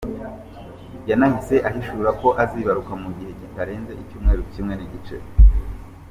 Yanahise ahishura ko azibaruka mu gihe kitarenze icyumweru kimwe n’igice.